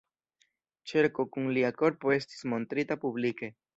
Ĉerko kun lia korpo estis montrita publike.